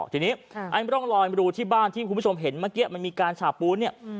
ทีนี้ไอ้ร่องรอยรูที่บ้านที่คุณผู้ชมเห็นเมื่อกี้มันมีการฉาบปูนเนี่ย